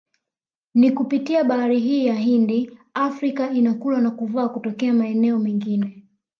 Ni kupitia bahari hii ya Hindi Afrika inakula na kuvaa kutokea maeneo mengine